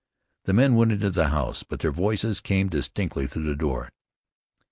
The men went into the house; but their voices came distinctly through the door.